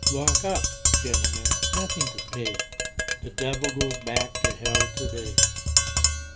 Walk up, gentlemen nothing to pay The Devil goes back to Hell to day.